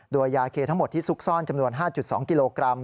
โดยยาเคทั้งหมดที่ซุกซ่อนจำนวน๕๒กิโลกรัม